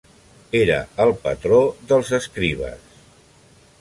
Era el patró dels escribes.